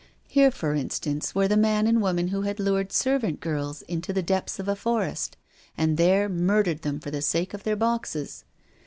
Here, for instance, were the man and woman who had lured servant girls into the depths of a forest and there murdered them for the sake of their boxes.